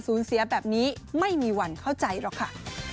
เสียแบบนี้ไม่มีวันเข้าใจหรอกค่ะ